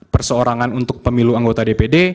perseorangan untuk pemilu anggota dpd